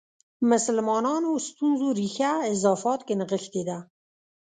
مسلمانانو ستونزو ریښه اضافات کې نغښې ده.